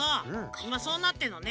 いまそうなってるのね。